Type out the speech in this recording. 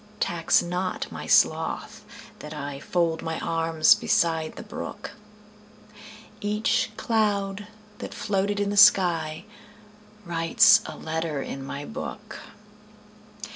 Tax not my sloth that IFold my arms beside the brook; Each cloud that floated in the skyWrites a letter in my book.